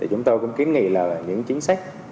chúng tôi cũng kiến nghị là những chính sách